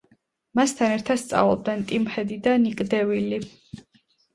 მასთან ერთად სწავლობდნენ ტიმ ჰედი და ნიკ დე ვილი.